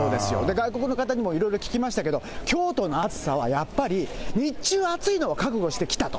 外国の方にもいろいろ聞きましたけど、京都の暑さはやっぱり、日中暑いのは覚悟して来たと。